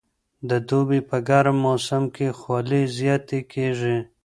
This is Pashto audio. د دوبي په ګرم موسم کې خولې زیاتې کېږي.